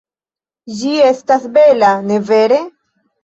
Ĝi estas bela, ne vere?